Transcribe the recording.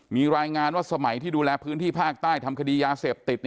มีรายงานว่าสมัยที่ดูแลพื้นที่ภาคใต้ทำคดียาเสพติด